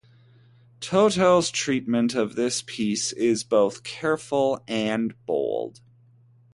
Tottel's treatment of this piece is both careful and bold.